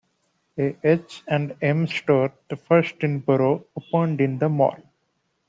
A H and M store, the first in the borough, opened in the mall.